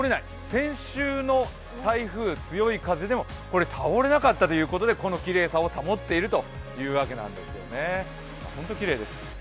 先週の台風、強い風でも倒れなかったということでこのきれいさを保っているということなんです、本当にきれいです。